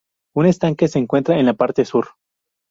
Un estanque se encuentra en la parte sur.